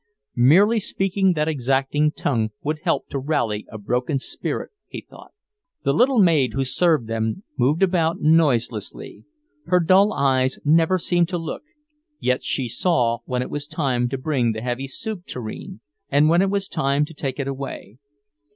Merely speaking that exacting tongue would help to rally a broken spirit, he thought. The little maid who served them moved about noiselessly. Her dull eyes never seemed to look; yet she saw when it was time to bring the heavy soup tureen, and when it was time to take it away.